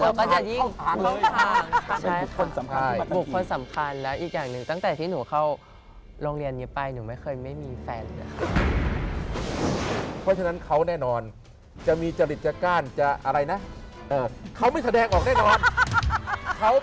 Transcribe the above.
ว่าลูกเนี่ยไม่ใช่ผู้ชายค่ะ